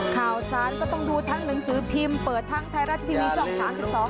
ข่าวสารก็ต้องดูทั้งหนังสือพิมพ์เปิดทั้งไทยรัฐทีวีช่องสามสิบสอง